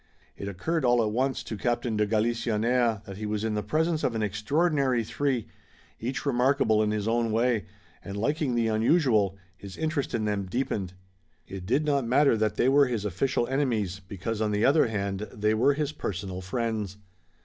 It occurred all at once to Captain de Galisonnière that he was in the presence of an extraordinary three, each remarkable in his own way, and, liking the unusual, his interest in them deepened. It did not matter that they were his official enemies, because on the other hand they were his personal friends.